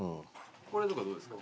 これとかどうですか？